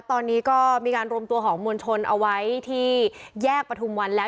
ตอนนี้ก็มีการรวมตัวของมวลชนเอาไว้ที่แยกประทุมวันแล้ว